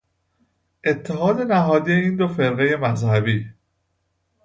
اتحاد نهادی این دو فرقهی مذهبی